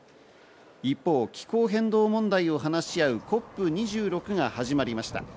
一方、気候変動問題を話し合うＣＯＰ２６が始まりました。